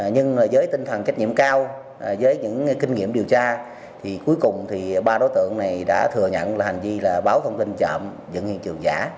nhưng với tinh thần trách nhiệm cao với những kinh nghiệm điều tra thì cuối cùng thì ba đối tượng này đã thừa nhận hành vi là báo thông tin trộm dựng hiện trường giả